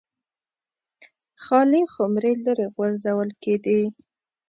خالي خُمرې لرې غورځول کېدې